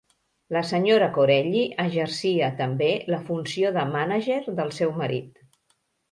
La senyora Corelli exercia també la funció de mànager del seu marit.